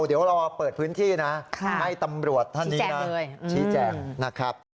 เดี๋ยวเราเปิดพื้นที่นะให้ตำรวจท่านนี้นะชี้แจงนะครับ